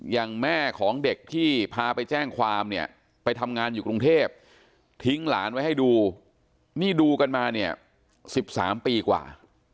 อย่างแม่ของเด็กที่พาไปแจ้งความเนี่ยไปทำงานอยู่กรุงเทพทิ้งหลานไว้ให้ดูนี่ดูกันมาเนี่ย๑๓ปีกว่า